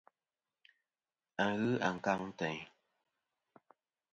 A ghɨ ankaŋ teyn.